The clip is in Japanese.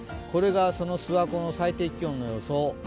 これが諏訪湖の最低気温の予想。